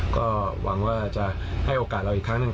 ก็หวังว่าจะให้โอกาสเราอีกครั้งหนึ่ง